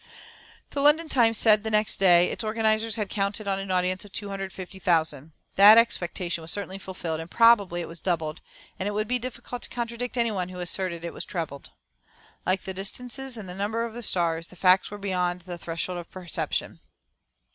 The London Times said next day: "Its organisers had counted on an audience of 250,000. That expectation was certainly fulfilled, and probably it was doubled, and it would be difficult to contradict any one who asserted that it was trebled. Like the distances and the number of the stars, the facts were beyond the threshold of perception."